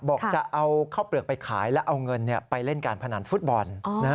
บอกจะเอาข้าวเปลือกไปขายและเอาเงินไปเล่นการพนันฟุตบอล